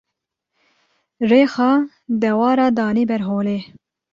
rêxa dewera danî ber holê.